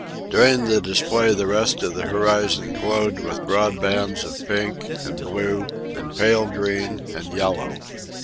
During the display the rest of the horizon glowed with broad bands of pink, and blue, and pale green, and yellow.